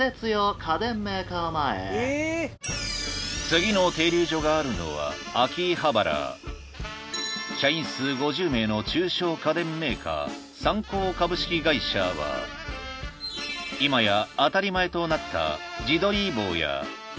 次の停留所があるのは秋葉原社員数５０名の中小家電メーカーサンコー株式会社は今や当たり前となった自撮り棒や